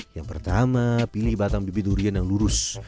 yang pertama pilih batang bibit durian yang lurus